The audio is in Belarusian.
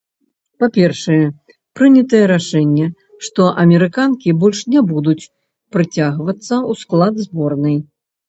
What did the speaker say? Па-першае, прынятае рашэнне, што амерыканкі больш не будуць прыцягвацца ў склад зборнай.